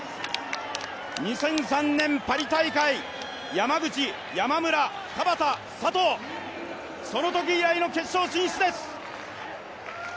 ２００３年パリ大会、山口、山村、田端、佐藤、そのとき以来の決勝進出です。